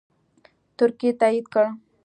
ترکیې تایید کړه